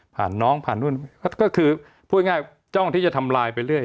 น้องผ่านนู่นก็คือพูดง่ายจ้องที่จะทำลายไปเรื่อย